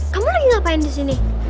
kamu lagi ngapain disini